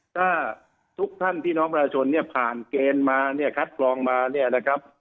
ถ้าทุกท่านที่น้องประชุมผ่านเกณฑ์มาคัดกรองมานะครับ